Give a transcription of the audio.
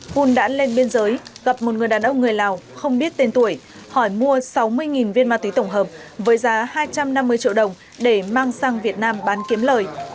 pun đã lên biên giới gặp một người đàn ông người lào không biết tên tuổi hỏi mua sáu mươi viên ma túy tổng hợp với giá hai trăm năm mươi triệu đồng để mang sang việt nam bán kiếm lời